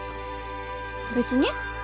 別に。